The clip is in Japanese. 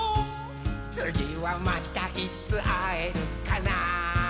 「つぎはまたいつあえるかな」